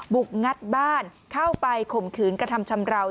งัดบ้านเข้าไปข่มขืนกระทำชำราว